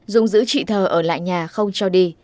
dung giữ chị thờ ở lại nhà không cho đi